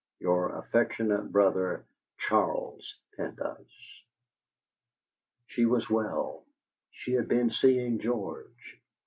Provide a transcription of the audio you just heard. "Your affectionate brother, "CHARLES PENDYCE." She was well. She had been seeing George.